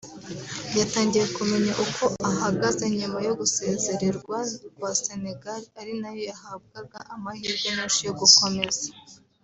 yatangiye kumenya uko ahagaze nyuma yo gusezerwa kwa Senegali ari nayo yahabwaga amahirwe menshi yo gukomeza